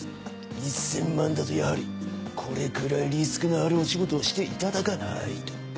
１千万だとやはりこれくらいリスクのあるお仕事をしていただかないと。